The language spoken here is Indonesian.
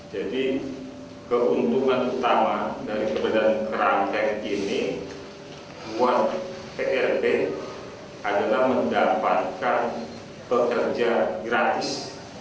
jadi keuntungan utama dari keberadaan kerangkeng ini buat prb adalah mendapatkan pekerja gratis